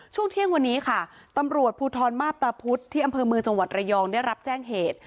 ช่วงเที่ยงวันนี้ค่ะตำรวจภูทรมาพตาพุธที่อำเภอเมืองจังหวัดระยองได้รับแจ้งเหตุ